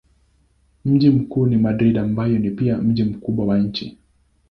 Mji mkuu ni Madrid ambayo ni pia mji mkubwa wa nchi.